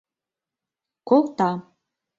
Колта.